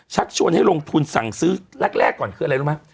ชักชวนให้ลงทุนสั่งซื้อแรกก่อนคืออะไรรู้ไหม